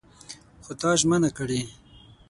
خو تا ژمنه کړې!